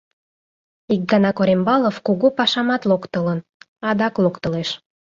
Ик гана Корембалов кугу пашамат локтылын, адак локтылеш.